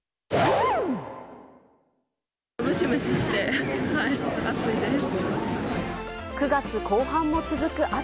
ムシムシして暑いです。